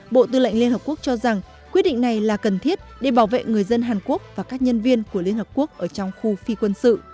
bộ tư lệnh liên hợp quốc cho rằng quyết định này là cần thiết để bảo vệ người dân hàn quốc và các nhân viên của liên hợp quốc ở trong khu phi quân sự